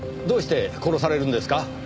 どうして殺されるんですか？